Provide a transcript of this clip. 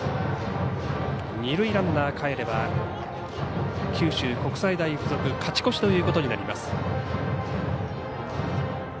二塁ランナーかえれば九州国際大付属勝ち越しということになります。